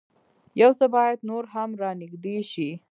يو څه بايد نور هم را نېږدې شي.